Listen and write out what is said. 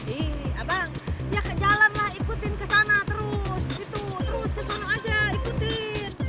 ih abang ya jalanlah ikutin kesana terus gitu terus kesana aja ikutin